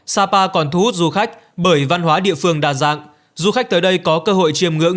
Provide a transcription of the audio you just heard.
sapa còn thu hút du khách bởi văn hóa địa phương đa dạng du khách tới đây có cơ hội chiêm ngưỡng